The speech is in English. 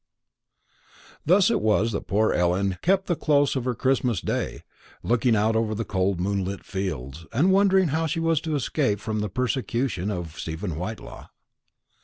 Thus it was that poor Ellen kept the close of her Christmas day, looking out over the cold moonlit fields, and wondering how she was to escape from the persecution of Stephen Whitelaw.